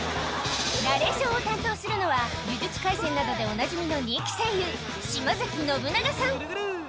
ナレーションを担当するのは、呪術廻戦などでおなじみの人気声優、島崎信長さん。